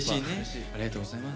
ありがとうございます。